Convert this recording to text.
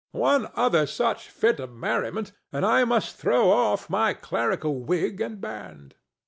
One other such fit of merriment, and I must throw off my clerical wig and band."